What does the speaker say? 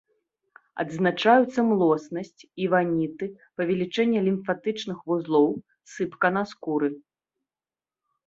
Адзначаюцца млоснасць і ваніты, павелічэнне лімфатычных вузлоў, сыпка на скуры.